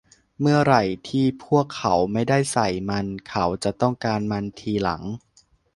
เมื่อไหร่ที่พวกเขาไม่ได้ใส่มัน เขาจะต้องการมันทีหลัง